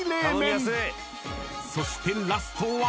［そしてラストは］